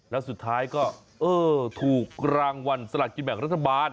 แล้วสุดท้ายก็เออถูกรางวัลสลักกินแบ่งรัฐบาล